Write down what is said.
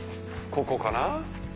ここかな？